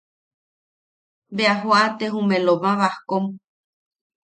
Bea joate ume Loma Bajkom.